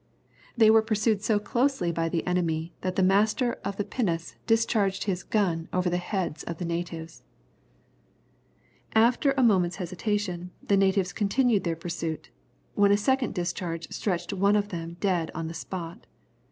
They were pursued so closely by the enemy, that the master of the pinnace discharged his gun over the heads of the natives. [Illustration: "They were pursued so closely."] After a moment's hesitation, the natives continued their pursuit, when a second discharge stretched one of them dead on the spot.